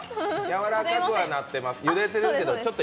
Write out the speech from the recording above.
柔らかくはなってます。